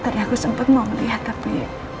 tadi aku sempet mau lihat tapi